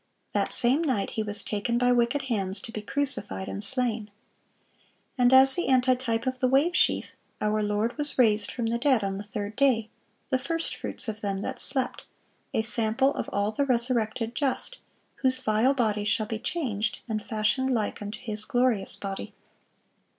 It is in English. That same night He was taken by wicked hands, to be crucified and slain. And as the antitype of the wave sheaf, our Lord was raised from the dead on the third day, "the first fruits of them that slept,"(653) a sample of all the resurrected just, whose "vile body" shall be changed, and "fashioned like unto His glorious body."